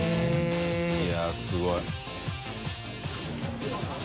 いやすごい。